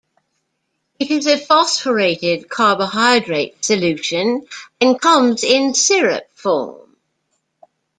It is a phosphorated carbohydrate solution, and comes in syrup form.